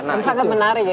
sangat menarik ini